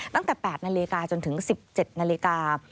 ตั้งแต่๘นาฬิกาจนถึง๑๗นาฬิกา